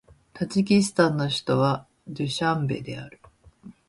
タジキスタンの首都はドゥシャンベである